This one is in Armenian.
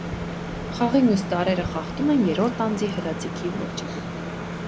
Խաղի մյուս տարրերը խախտում են երրորդ անձի՝ հրաձիգի ոճը։